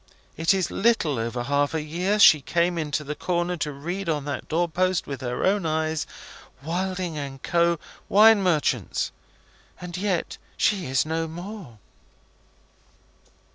It is little over half a year since she came into the Corner to read on that door post with her own eyes, WILDING AND CO., WINE MERCHANTS. And yet she is no more!"